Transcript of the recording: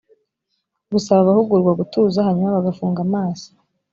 gusaba abahugurwa gutuza hanyuma bagafunga amaso